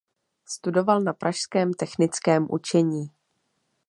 Studoval na pražském technickém učení.